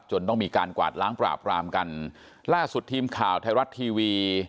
ต้องมีการกวาดล้างปราบรามกันล่าสุดทีมข่าวไทยรัฐทีวี